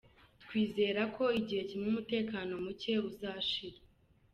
Twizera ko igihe kimwe umutekano muke uzashira.